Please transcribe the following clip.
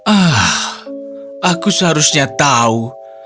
ah aku seharusnya tahu